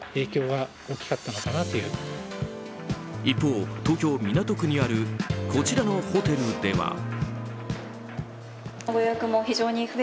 一方、東京・港区にあるこちらのホテルでは。